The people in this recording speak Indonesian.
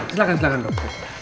silahkan silahkan dok